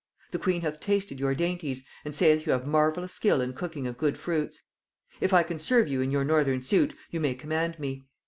The queen hath tasted your dainties, and saith you have marvellous skill in cooking of good fruits. If I can serve you in your northern suit, you may command me....